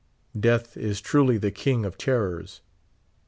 Death is truly the king of terrors.